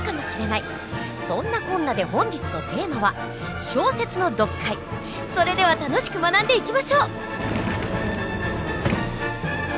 そんなこんなで本日のテーマはそれでは楽しく学んでいきましょう。